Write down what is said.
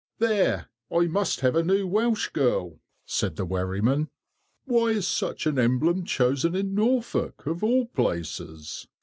"There, I must have a new Welsh girl," said the wherryman. "Why is such an emblem chosen in Norfolk, of all places?"